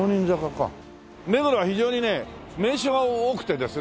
目黒は非常にね名所が多くてですね